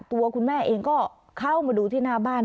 ตัวคุณแม่เองก็เข้ามาดูที่หน้าบ้าน